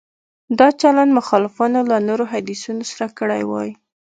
دا چلند مخالفانو له نورو حدیثونو سره کړی وای.